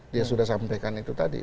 dia sudah sampaikan itu tadi